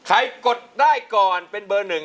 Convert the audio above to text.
กดได้ก่อนเป็นเบอร์หนึ่ง